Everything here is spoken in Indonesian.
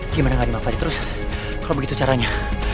gimana gak dimanfaatin terus kalau begitu caranya